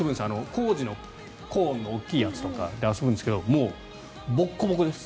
工事のコーンの大きいやつとかで遊ぶんですけどもうボッコボコです。